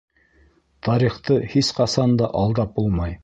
Тарихты һис ҡасан да алдап булмай